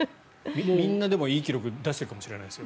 みんないい記録出したかもしれないですよ。